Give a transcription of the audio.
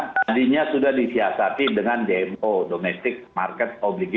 kandinya sudah disiasati dengan dmo